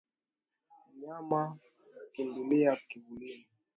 Mnyama hukimbilia kivulini